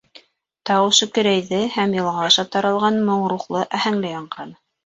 Тауышы көрәйҙе һәм йылға аша таралған моң рухлы, аһәңле яңғыраны.